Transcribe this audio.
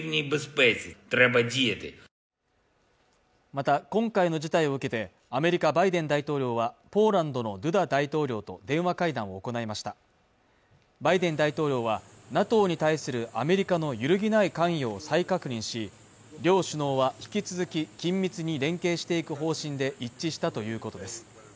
また今回の事態を受けてアメリカバイデン大統領はポーランドのドゥダ大統領と電話会談を行いましたバイデン大統領はＮＡＴＯに対するアメリカの揺るぎない関与を再確認し両首脳は引き続き緊密に連携していく方針で一致したということです